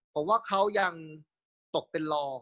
ผมว่าเขายังตกเป็นรอ